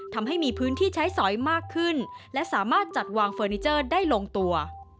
ทำให้มีพื้นที่ใช้สอยมากขึ้นและสามารถจัดวางเฟอร์นิเจอร์ได้ลงตัว